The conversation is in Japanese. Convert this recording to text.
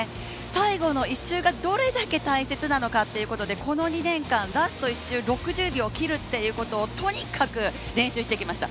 最後の１周がどれだけ大切なのかということで、この２年間ラスト１周６０切るということをとにかく練習してきました。